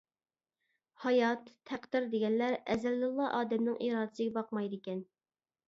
ھايات، تەقدىر دېگەنلەر ئەزەلدىنلا ئادەمنىڭ ئىرادىسىگە باقمايدىكەن.